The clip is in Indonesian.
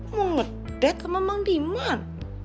mau ngedet sama mang diman